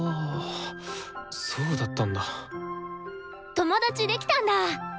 友達できたんだ。